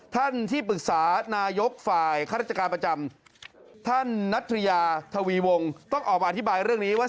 ท่านที่ปรึกษานายกฝ่ายข้าราชการประจำท่านนัทยาทวีวงต้องออกมาอธิบายเรื่องนี้ว่า